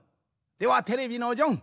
ではテレビのジョン。